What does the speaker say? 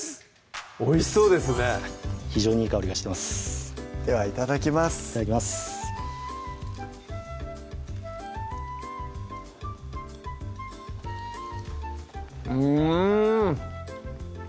おいしそうですねはい非常にいい香りがしてますではいただきますいただきますうん！